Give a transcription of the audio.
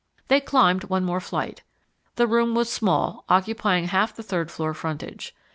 They climbed one more flight. The room was small, occupying half the third floor frontage.